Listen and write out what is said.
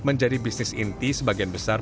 menjadi bisnis inti sebagian besar